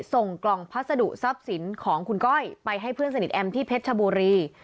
ส่งกล่องพัสดุทรัพย์สินของคุณก้อยไปให้เพื่อนสนิทแอมที่เพชรชบุรี